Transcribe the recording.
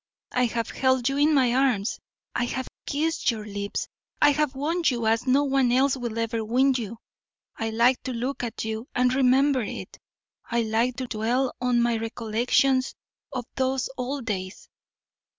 I have held you in my arms; I have kissed your lips; I have won you as no one else will ever win you. I like to look at you and remember it; I like to dwell on my recollections of those old days.